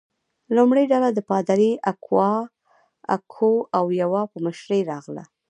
لومړۍ ډله د پادري اکواویوا په مشرۍ راغله.